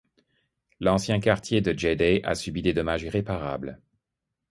L'ancien quartier de Jdeydeh a subi des dommages irréparables.